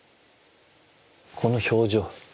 この表情。